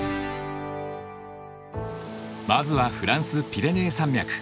まずはフランス・ピレネー山脈。